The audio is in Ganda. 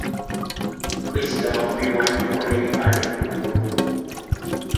Twesigama ku biwandiiko n’ebipande ku nguudo.